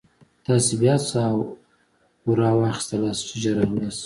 تاسې بیا څه اورا واخیستلاست چې ژر راغلاست.